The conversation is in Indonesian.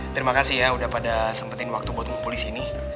terima kasih ya udah pada sempetin waktu buat ngumpul di sini